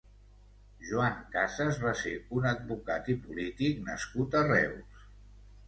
Joan Casas va ser un advocat i polític nascut a Reus.